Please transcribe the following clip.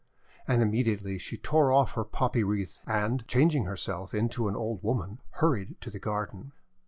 And immediately she tore off her poppy wreath, and, changing herself into an old woman, hurried to the garden.